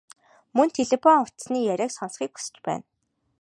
Мөн телефон утасны яриаг сонсохыг хүсэж байлаа.